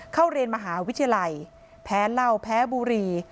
เข้าเรียนมหาวิทยาลัยแพ้เหล้าแพ้บุรี